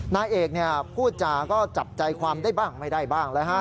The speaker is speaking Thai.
นายเอกพูดจาก็จับใจความได้บ้างไม่ได้บ้างนะฮะ